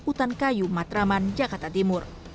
hutan kayu matraman jakarta timur